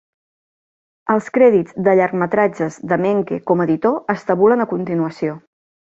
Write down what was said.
Els crèdits de llargmetratges de Menke com a editor es tabulen a continuació.